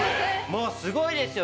もうすごいですよ。